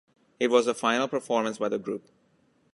It was the final performance by the group.